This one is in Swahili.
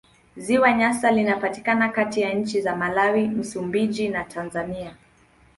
Ziwa Nyasa linapatikana kati ya nchi za Malawi, Msumbiji na Tanzania.